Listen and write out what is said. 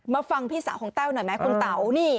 ฟังพี่สาวของแต้วหน่อยไหมคุณเต๋านี่